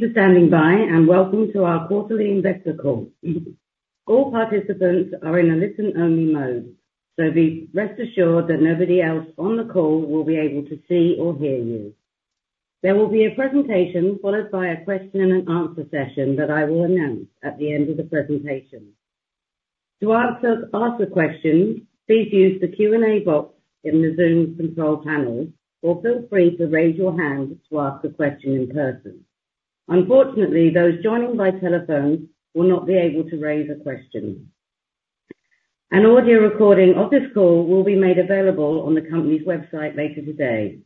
Thank you for standing by, and welcome to our quarterly Investor call. All participants are in a listen-only mode, so rest assured that nobody else on the call will be able to see or hear you. There will be a presentation followed by a question-and-answer session that I will announce at the end of the presentation. To ask a question, please use the Q&A box in the Zoom control panel, or feel free to raise your hand to ask a question in person. Unfortunately, those joining by telephone will not be able to raise a question. An audio recording of this call will be made available on the company's website later today.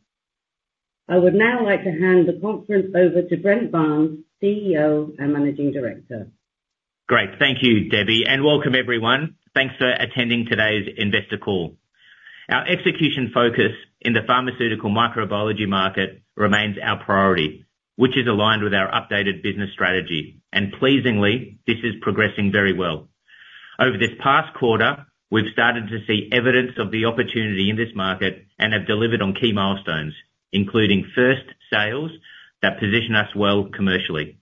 I would now like to hand the conference over to Brent Barnes, CEO and Managing Director. Great. Thank you, Debbie, and welcome, everyone. Thanks for attending today's investor call. Our execution focus in the pharmaceutical microbiology market remains our priority, which is aligned with our updated business strategy, and pleasingly, this is progressing very well. Over this past quarter, we've started to see evidence of the opportunity in this market and have delivered on key milestones, including first sales that position us well commercially.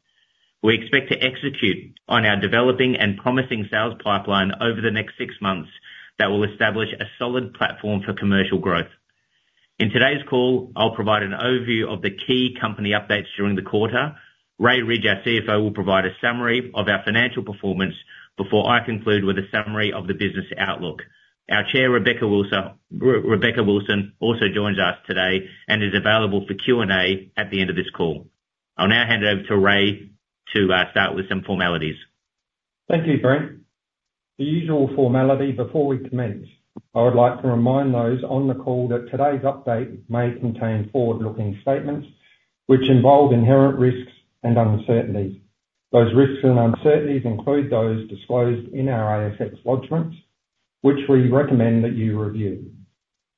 We expect to execute on our developing and promising sales pipeline over the next six months that will establish a solid platform for commercial growth. In today's call, I'll provide an overview of the key company updates during the quarter. Ray Ridge, our CFO, will provide a summary of our financial performance before I conclude with a summary of the business outlook. Our Chair, Rebecca Wilson, also joins us today and is available for Q&A at the end of this call. I'll now hand it over to Ray to start with some formalities. Thank you, Brent. The usual formality before we commence, I would like to remind those on the call that today's update may contain forward-looking statements which involve inherent risks and uncertainties. Those risks and uncertainties include those disclosed in our ASX lodgements, which we recommend that you review.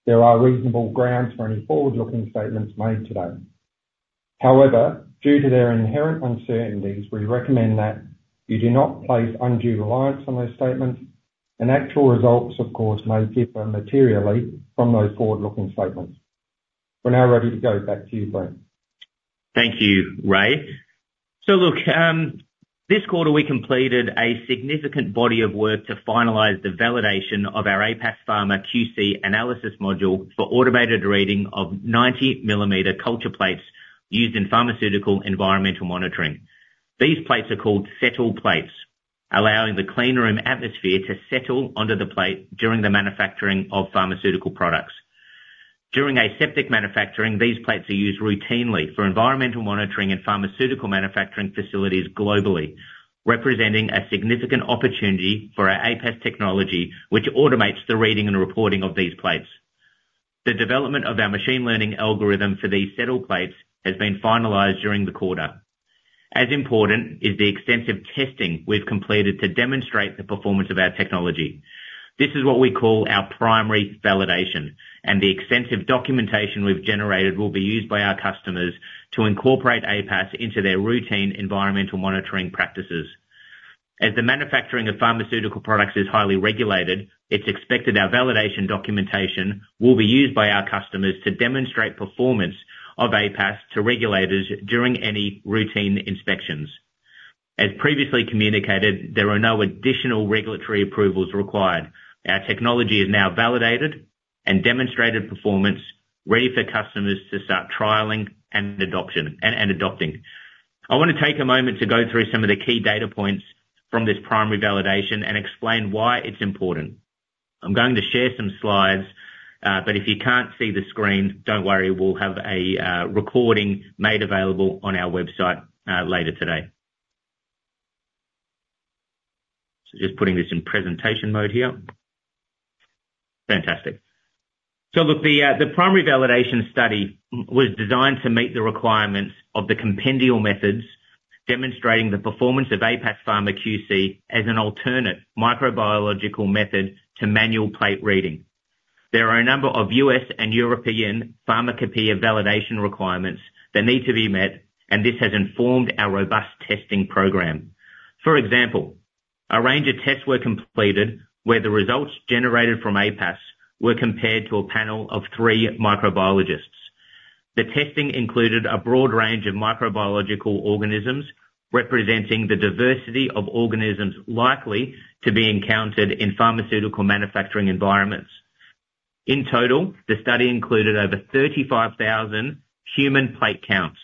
There are reasonable grounds for any forward-looking statements made today. However, due to their inherent uncertainties, we recommend that you do not place undue reliance on those statements. Actual results, of course, may differ materially from those forward-looking statements. We're now ready to go. Back to you, Brent. Thank you, Ray. So look, this quarter we completed a significant body of work to finalize the validation of our APAS PharmaQC analysis module for automated reading of 90-millimeter culture plates used in pharmaceutical environmental monitoring. These plates are called settle plates, allowing the clean room atmosphere to settle under the plate during the manufacturing of pharmaceutical products. During aseptic manufacturing, these plates are used routinely for environmental monitoring in pharmaceutical manufacturing facilities globally, representing a significant opportunity for our APAS technology, which automates the reading and reporting of these plates. The development of our machine learning algorithm for these settle plates has been finalized during the quarter. As important is the extensive testing we've completed to demonstrate the performance of our technology. This is what we call our primary validation, and the extensive documentation we've generated will be used by our customers to incorporate APAS into their routine environmental monitoring practices. As the manufacturing of pharmaceutical products is highly regulated, it's expected our validation documentation will be used by our customers to demonstrate performance of APAS to regulators during any routine inspections. As previously communicated, there are no additional regulatory approvals required. Our technology is now validated and demonstrated performance, ready for customers to start trialing and adopting. I want to take a moment to go through some of the key data points from this primary validation and explain why it's important. I'm going to share some slides, but if you can't see the screen, don't worry. We'll have a recording made available on our website later today. So just putting this in presentation mode here. Fantastic. So look, the primary validation study was designed to meet the requirements of the compendial methods, demonstrating the performance of APAS Pharma QC as an alternate microbiological method to manual plate reading. There are a number of US and European pharmacopeia validation requirements that need to be met, and this has informed our robust testing program. For example, a range of tests were completed where the results generated from APAS were compared to a panel of three microbiologists. The testing included a broad range of microbiological organisms representing the diversity of organisms likely to be encountered in pharmaceutical manufacturing environments. In total, the study included over 35,000 manual plate counts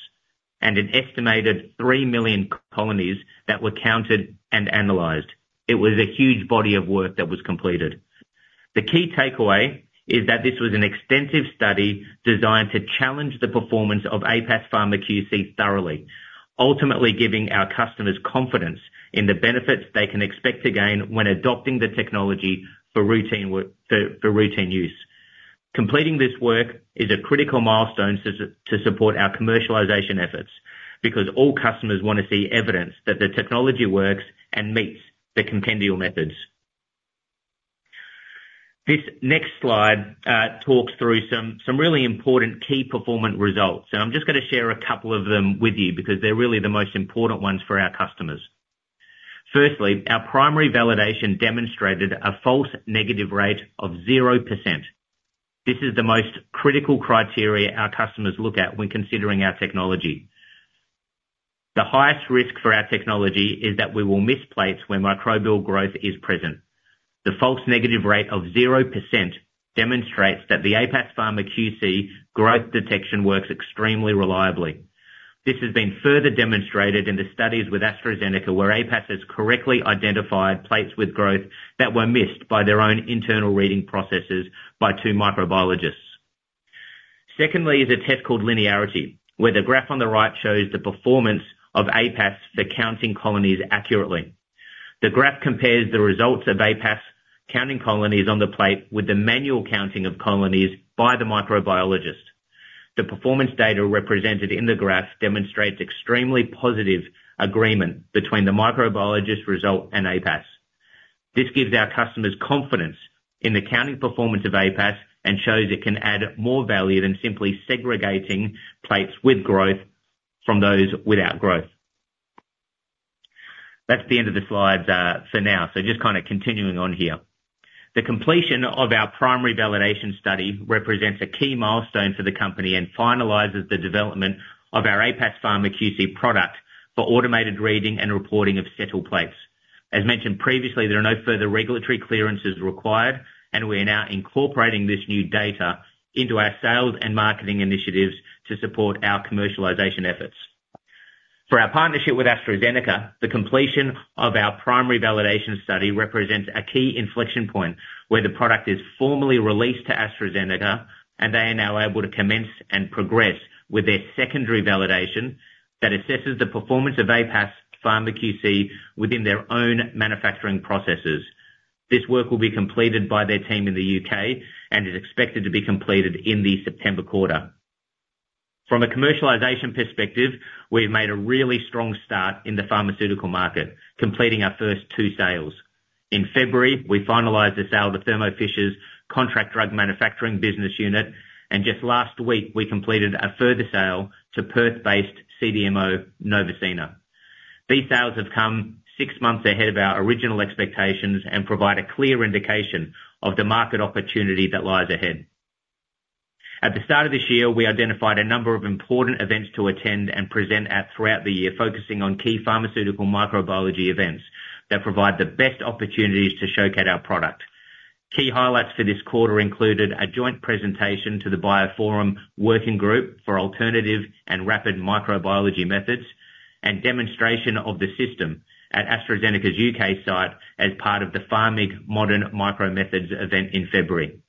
and an estimated three million colonies that were counted and analyzed. It was a huge body of work that was completed. The key takeaway is that this was an extensive study designed to challenge the performance of APAS Pharma QC thoroughly, ultimately giving our customers confidence in the benefits they can expect to gain when adopting the technology for routine use. Completing this work is a critical milestone to support our commercialization efforts because all customers want to see evidence that the technology works and meets the compendial methods. This next slide talks through some really important key performance results, and I'm just going to share a couple of them with you because they're really the most important ones for our customers. First, our primary validation demonstrated a false negative rate of 0%. This is the most critical criteria our customers look at when considering our technology. The highest risk for our technology is that we will miss plates where microbial growth is present. The false negative rate of 0% demonstrates that the APAS Pharma QC growth detection works extremely reliably. This has been further demonstrated in the studies with AstraZeneca, where APAS has correctly identified plates with growth that were missed by their own internal reading processes by two microbiologists. Secondly is a test called linearity, where the graph on the right shows the performance of APAS for counting colonies accurately. The graph compares the results of APAS counting colonies on the plate with the manual counting of colonies by the microbiologist. The performance data represented in the graph demonstrates extremely positive agreement between the microbiologist result and APAS. This gives our customers confidence in the counting performance of APAS and shows it can add more value than simply segregating plates with growth from those without growth. That's the end of the slides for now, so just kind of continuing on here. The completion of our primary validation study represents a key milestone for the company and finalizes the development of our APAS Pharma QC product for automated reading and reporting of settle plates. As mentioned previously, there are no further regulatory clearances required, and we are now incorporating this new data into our sales and marketing initiatives to support our commercialization efforts. For our partnership with AstraZeneca, the completion of our primary validation study represents a key inflection point where the product is formally released to AstraZeneca, and they are now able to commence and progress with their secondary validation that assesses the performance of APAS Pharma QC within their own manufacturing processes. This work will be completed by their team in the U.K. and is expected to be completed in the September quarter. From a commercialization perspective, we've made a really strong start in the pharmaceutical market, completing our first two sales. In February, we finalized the sale of the Thermo Fisher contract drug manufacturing business unit, and just last week, we completed a further sale to Perth-based CDMO NovaCina. These sales have come six months ahead of our original expectations and provide a clear indication of the market opportunity that lies ahead. At the start of this year, we identified a number of important events to attend and present at throughout the year, focusing on key pharmaceutical microbiology events that provide the best opportunities to showcase our product. Key highlights for this quarter included a joint presentation to the BioPhorum Working Group for Alternative and Rapid Microbiology Methods and demonstration of the system at AstraZeneca's U.K. site as part of the Pharmig Modern Micro Methods event in February.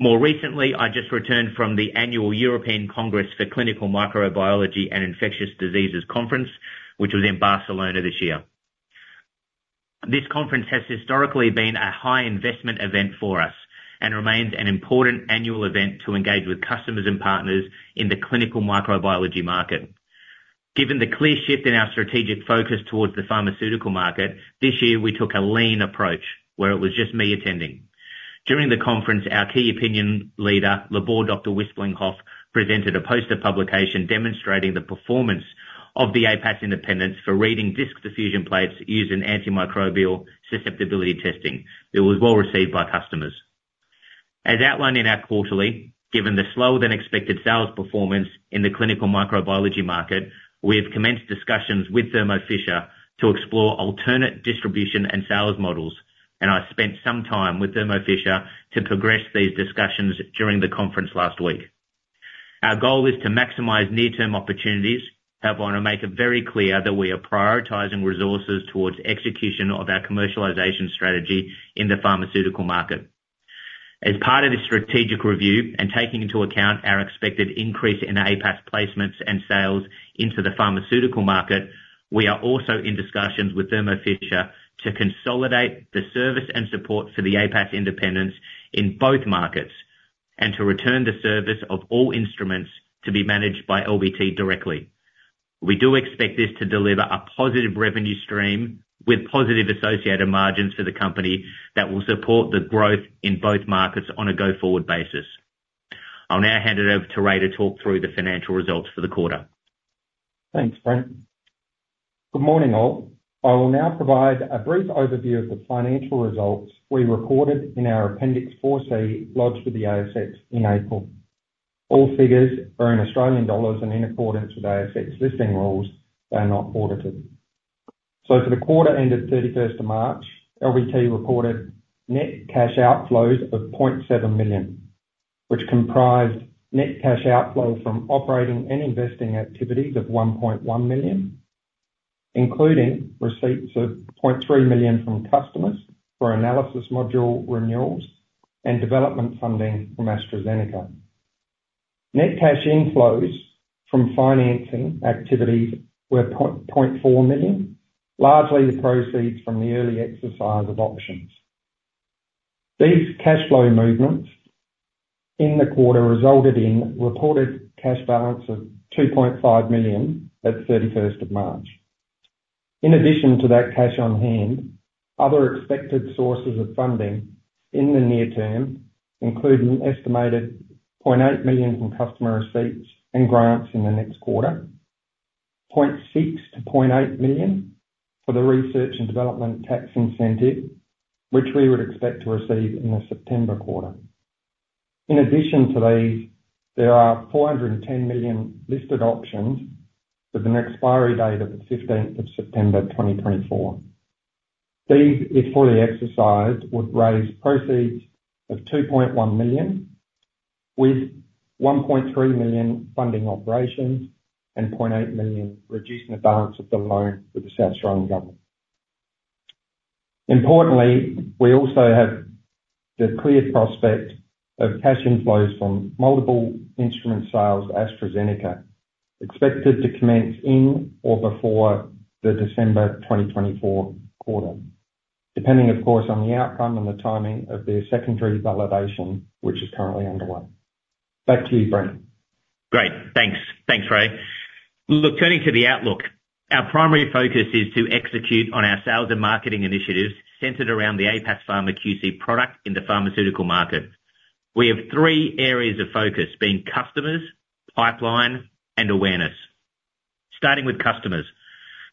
More recently, I just returned from the annual European Congress for Clinical Microbiology and Infectious Diseases Conference, which was in Barcelona this year. This conference has historically been a high-investment event for us and remains an important annual event to engage with customers and partners in the clinical microbiology market. Given the clear shift in our strategic focus towards the pharmaceutical market, this year we took a lean approach, where it was just me attending. During the conference, our key opinion leader, Labor Dr. Wisplinghoff, presented a poster publication demonstrating the performance of the APAS Independence for reading disc diffusion plates using antimicrobial susceptibility testing. It was well received by customers. As outlined in our quarterly, given the slower-than-expected sales performance in the clinical microbiology market, we have commenced discussions with Thermo Fisher to explore alternate distribution and sales models, and I spent some time with Thermo Fisher to progress these discussions during the conference last week. Our goal is to maximize near-term opportunities, however, and make it very clear that we are prioritizing resources towards execution of our commercialization strategy in the pharmaceutical market. As part of this strategic review and taking into account our expected increase in APAS placements and sales into the pharmaceutical market, we are also in discussions with Thermo Fisher to consolidate the service and support for the APAS Independence in both markets and to return the service of all instruments to be managed by LBT directly. We do expect this to deliver a positive revenue stream with positive associated margins for the company that will support the growth in both markets on a go-forward basis. I'll now hand it over to Ray to talk through the financial results for the quarter. Thanks, Brent. Good morning, all. I will now provide a brief overview of the financial results we recorded in our Appendix 4C lodged with the ASX in April. All figures are in Australian dollars and in accordance with ASX listing rules. They are not audited so for the quarter ended 31st of March, LBT reported net cash outflows of 0.7 million, which comprised net cash outflow from operating and investing activities of 1.1 million, including receipts of 0.3 million from customers for analysis module renewals and development funding from AstraZeneca. Net cash inflows from financing activities were 0.4 million, largely the proceeds from the early exercise of options. These cash flow movements in the quarter resulted in reported cash balance of 2.5 million at 31st of March. In addition to that cash on hand, other expected sources of funding in the near term include an estimated 0.8 million from customer receipts and grants in the next quarter, 0.6-0.8 million for the research and development tax incentive, which we would expect to receive in the September quarter. In addition to these, there are 410 million listed options with an expiry date of the 15th of September 2024. These, if fully exercised, would raise proceeds of 2.1 million, with 1.3 million funding operations and 0.8 million reducing the balance of the loan with the South Australian Government. Importantly, we also have the clear prospect of cash inflows from multiple instrument sales to AstraZeneca, expected to commence in or before the December 2024 quarter, depending, of course, on the outcome and the timing of their secondary validation, which is currently underway. Back to you, Brent. Great. Thanks. Thanks, Ray. Look, turning to the outlook, our primary focus is to execute on our sales and marketing initiatives centered around the APAS Pharma QC product in the pharmaceutical market. We have three areas of focus being customers, pipeline, and awareness. Starting with customers,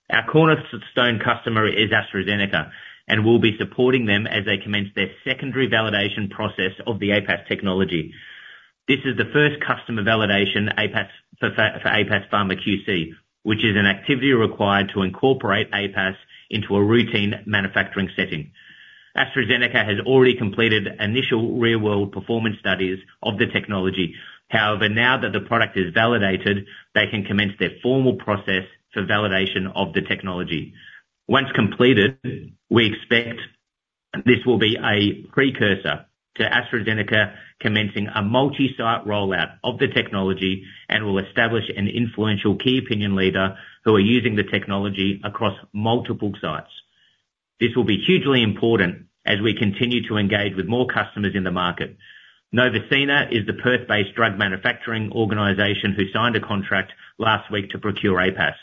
our cornerstone customer is AstraZeneca, and we'll be supporting them as they commence their secondary validation process of the APAS technology. This is the first customer validation for APAS Pharma QC, which is an activity required to incorporate APAS into a routine manufacturing setting. AstraZeneca has already completed initial real-world performance studies of the technology. However, now that the product is validated, they can commence their formal process for validation of the technology. Once completed, we expect this will be a precursor to AstraZeneca commencing a multi-site rollout of the technology and will establish an influential key opinion leader who are using the technology across multiple sites. This will be hugely important as we continue to engage with more customers in the market. NovaCina is the Perth-based drug manufacturing organization who signed a contract last week to procure APAS.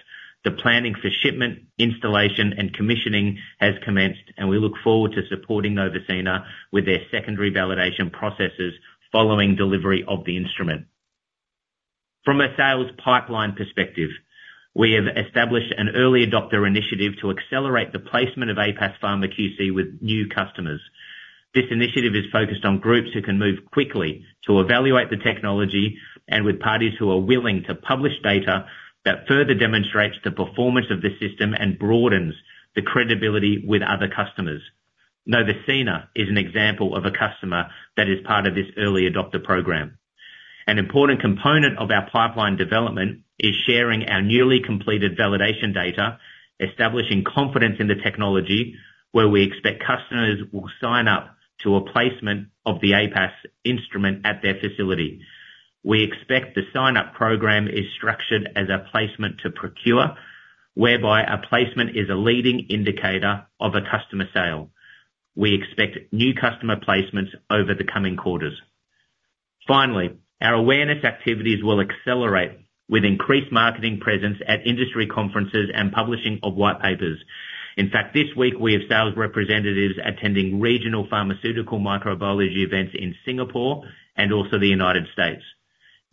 The planning for shipment, installation, and commissioning has commenced, and we look forward to supporting NovaCina with their secondary validation processes following delivery of the instrument. From a sales pipeline perspective, we have established an early adopter initiative to accelerate the placement of APAS Pharma QC with new customers. This initiative is focused on groups who can move quickly to evaluate the technology and with parties who are willing to publish data that further demonstrates the performance of the system and broadens the credibility with other customers. NovaCina is an example of a customer that is part of this early adopter program. An important component of our pipeline development is sharing our newly completed validation data, establishing confidence in the technology, where we expect customers will sign up to a placement of the APAS instrument at their facility. We expect the sign-up program is structured as a placement to procure, whereby a placement is a leading indicator of a customer sale. We expect new customer placements over the coming quarters. Finally, our awareness activities will accelerate with increased marketing presence at industry conferences and publishing of white papers. In fact, this week, we have sales representatives attending regional pharmaceutical microbiology events in Singapore and also the United States.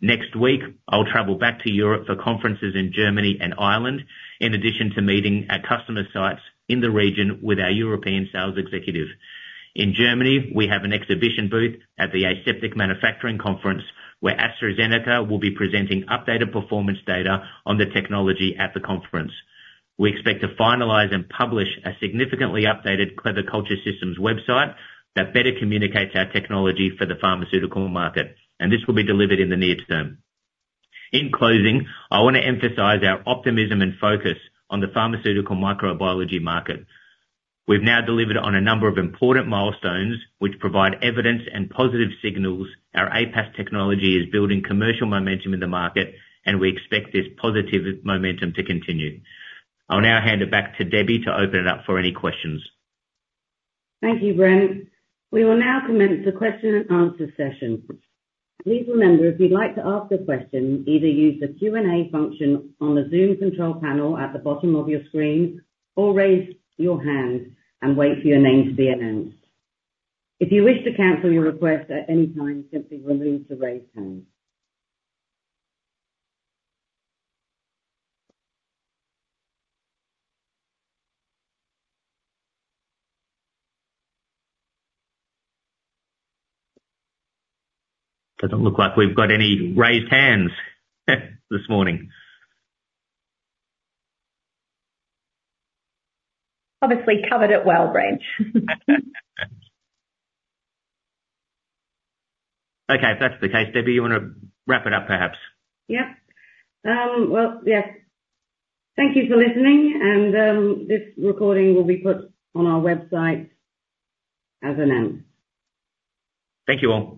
Next week, I'll travel back to Europe for conferences in Germany and Ireland, in addition to meeting at customer sites in the region with our European sales executive. In Germany, we have an exhibition booth at the Aseptic Manufacturing Conference, where AstraZeneca will be presenting updated performance data on the technology at the conference. We expect to finalize and publish a significantly updated Clever Culture Systems website that better communicates our technology for the pharmaceutical market, and this will be delivered in the near term. In closing, I want to emphasize our optimism and focus on the pharmaceutical microbiology market. We've now delivered on a number of important milestones, which provide evidence and positive signals our APAS technology is building commercial momentum in the market, and we expect this positive momentum to continue. I'll now hand it back to Debbie to open it up for any questions. Thank you, Brent. We will now commence the question and answer session. Please remember, if you'd like to ask a question, either use the Q&A function on the Zoom control panel at the bottom of your screen or raise your hand and wait for your name to be announced. If you wish to cancel your request at any time, simply remove the raised hand. Doesn't look like we've got any raised hands this morning. Obviously covered it well, Brent. Okay, if that's the case, Debbie, you want to wrap it up, perhaps? Yep. Well, yes. Thank you for listening, and this recording will be put on our website as announced. Thank you all.